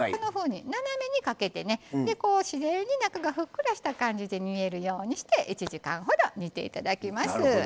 斜めにかけて、自然に中がふっくらした感じで煮えるようにして１時間ほど煮ていただきます。